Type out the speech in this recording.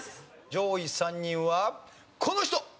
上位３人はこの人！